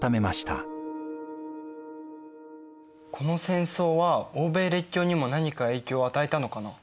この戦争は欧米列強にも何か影響を与えたのかな。